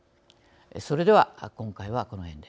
それでは今回はこの辺で。